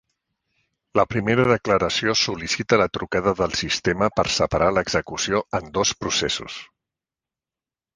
La primera declaració sol·licita la trucada del sistema per separar l'execució en dos processos.